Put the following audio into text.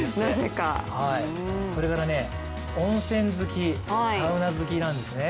そして温泉好き、サウナ好きなんですね。